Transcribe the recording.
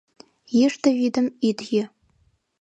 — Йӱштӧ вӱдым ит йӱ.